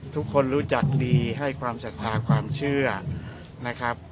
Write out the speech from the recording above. ทุกคนรู้จักดีให้ความศรัทธาความเชื่อนะครับ